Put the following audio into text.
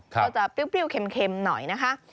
ก็จะเปรี้ยวเค็มหน่อยนะคะ